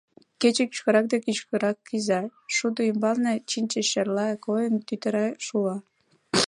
Кече кӱшкырак да кӱшкырак кӱза, шудо ӱмбалне, чинче шерла койын, тӱтыра шула.